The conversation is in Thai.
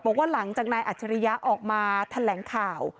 บอกว่าหลังจากนายอัจฉริยะออกมาแถลงข่าว